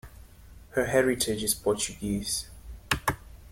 Her heritage is Portuguese.